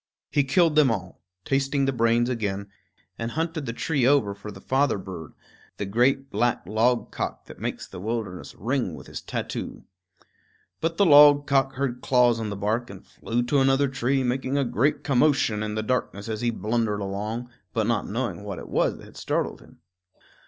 He killed them all, tasting the brains again, and hunted the tree over for the father bird, the great black logcock that makes the wilderness ring with his tattoo. But the logcock heard claws on the bark and flew to another tree, making a great commotion in the darkness as he blundered along, but not knowing what it was that had startled him.